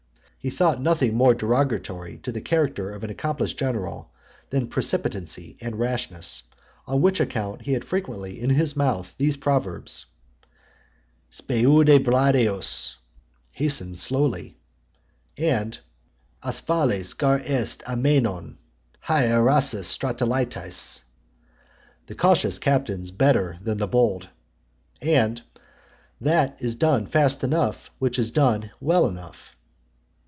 He thought nothing more derogatory to the character of an accomplished general than precipitancy and rashness; on which account he had frequently in his mouth those proverbs: Speude bradeos, Hasten slowly, And 'Asphalaes gar est' ameinon, hae erasus strataelataes. The cautious captain's better than the bold. And "That is done fast enough, which is done well enough."